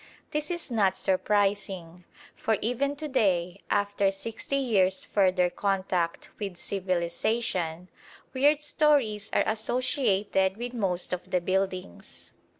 This is not surprising, for even to day, after sixty years' further contact with civilisation, weird stories are associated with most of the buildings.